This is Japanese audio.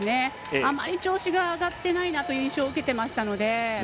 あまり調子が上がってないなという印象を受けていましたので。